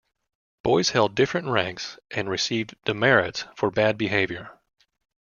Boys held different ranks and received demerits for bad behavior.